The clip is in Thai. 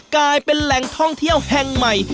กลายเป็นแหล่งท่องเที่ยวแห่งใหม่